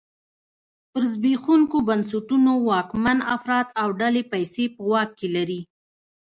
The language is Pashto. پر زبېښونکو بنسټونو واکمن افراد او ډلې پیسې په واک کې لري.